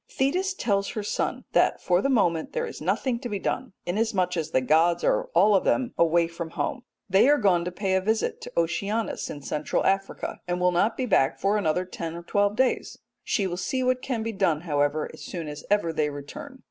Thetis tells her son that for the moment there is nothing to be done, inasmuch as the gods are all of them away from home. They are gone to pay a visit to Oceanus in Central Africa, and will not be back for another ten or twelve days; she will see what can be done, however, as soon as ever they return.